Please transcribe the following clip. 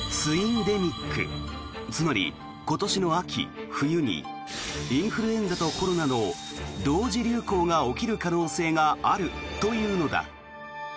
つまり今年の秋、冬にインフルエンザとコロナの同時流行が起こる可能性があるというのだ。